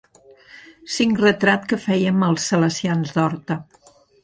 Cinc retrat que fèiem als Salesians d'Horta.